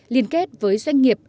liên kết với doanh nghiệp